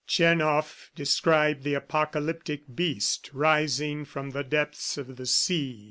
Tchernoff described the Apocalyptic beast rising from the depths of the sea.